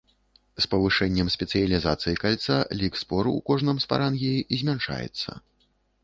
З павышэннем спецыялізацыі кальца лік спор у кожным спарангіі змяншаецца.